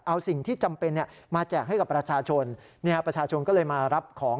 เอาสิ่งที่จำเป็นมาแจกให้กับประชาชนประชาชนก็เลยมารับของ